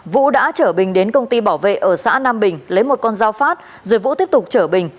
vũ đã chở bình đến công ty bảo vệ ở xã nam bình lấy một con dao phát rồi vũ tiếp tục chở bình